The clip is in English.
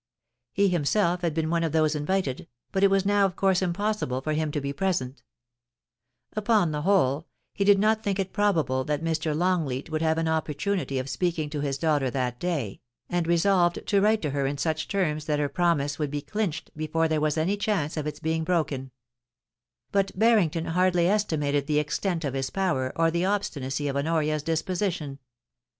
He himself had been one of those invited, but it was now of course impossible for him to be present Upon the whole, he did not think it probable that Mr. Longleat would have an opportunity of speaking to his daughter that day, and resolved to write to her in such terms that her promise would be clinched before there was any chance of its being brokea But Barrington hardly estimated the extent of his power, or the obstinacy of Honoria's disposition.